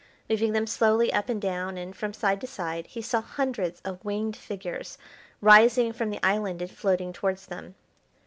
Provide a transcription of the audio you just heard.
Moving them slowly up and down, and from side to side, he saw hundreds of winged figures rising from the island and floating towards them.